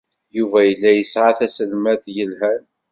Yuba yella yesɛa taselmadt yelhan.